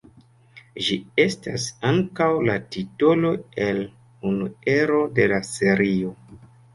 Ĝi estas ankaŭ la titolo el unu ero de la serio.